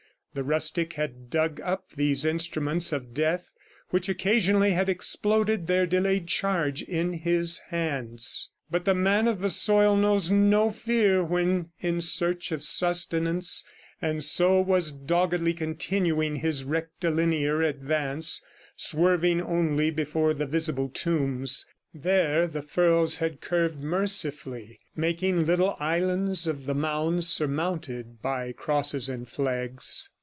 The rustic had dug up these instruments of death which occasionally had exploded their delayed charge in his hands. But the man of the soil knows no fear when in search of sustenance, and so was doggedly continuing his rectilinear advance, swerving only before the visible tombs; there the furrows had curved mercifully, making little islands of the mounds surmounted by crosses and flags.